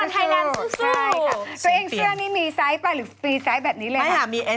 ตัวเองเสื้อนี้มีไซส์ไหมหรือมีไซส์แบบนี้เลย